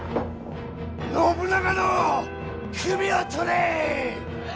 信長の首を取れ！